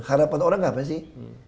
harapan orang apa sih